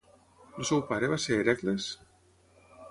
El seu pare va ser Hèracles?